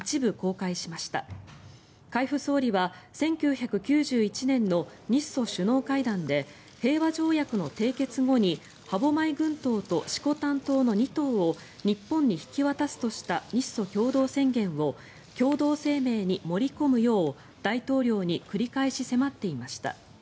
海部総理は１９９１年の日ソ首脳会談で平和条約の締結後に歯舞群島と色丹島の２島を日本に引き渡すとした日ソ共同宣言を共同声明に盛り込むよう大統領に繰り返し迫っていました。